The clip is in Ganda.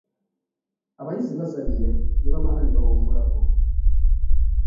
Abayizi bazannya ne bamala ne bawummulako.